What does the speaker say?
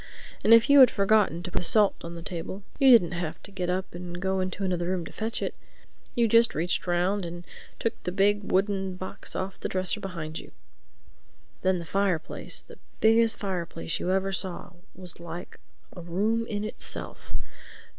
And if you had forgotten to put the salt on the table, you didn't have to get up and go into another room to fetch it; you just reached round and took the big wooden box off the dresser behind you. Then the fireplace—the biggest fireplace you ever saw—was like a room in itself.